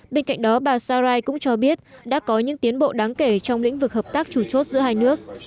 bên cạnh đó bà sarai cũng cho biết đã có những tiến bộ đáng kể trong lĩnh vực hợp tác chủ chốt giữa hai nước